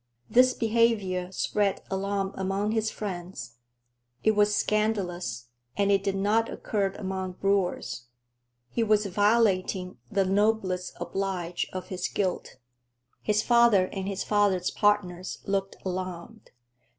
This behavior spread alarm among his friends. It was scandalous, and it did not occur among brewers. He was violating the noblesse oblige of his guild. His father and his father's partners looked alarmed.